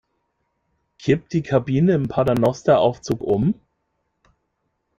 Kippt die Kabine im Paternosteraufzug um?